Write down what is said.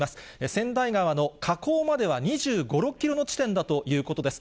千代川の河口までは２５、６キロの地点だということです。